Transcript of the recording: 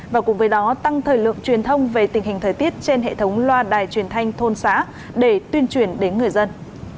và cùng với đó tăng thời lượng truyền thông về tình hình thời tiết trên hệ thống loa đài truyền thanh thôn xã để tuyên truyền đến người dân